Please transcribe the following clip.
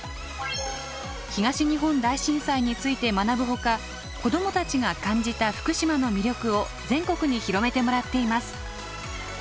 東日本大震災について学ぶほか子どもたちが感じた福島の魅力を全国に広めてもらっています。